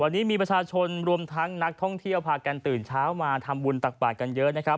วันนี้มีประชาชนรวมทั้งนักท่องเที่ยวพากันตื่นเช้ามาทำบุญตักบาทกันเยอะนะครับ